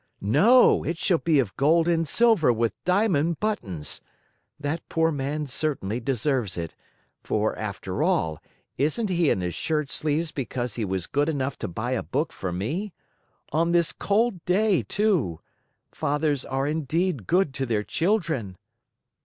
No, it shall be of gold and silver with diamond buttons. That poor man certainly deserves it; for, after all, isn't he in his shirt sleeves because he was good enough to buy a book for me? On this cold day, too! Fathers are indeed good to their children!"